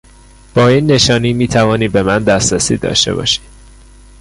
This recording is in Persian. با این نشانی میتوانی به من دسترسی داشته باشی.